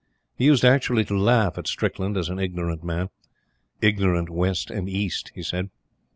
He used actually to laugh at Strickland as an ignorant man "ignorant West and East" he said.